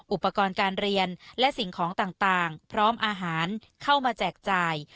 อุปกรณ์การเรียนและสิ่งของต่างพร้อมอาหารเข้ามาแจกจ่าย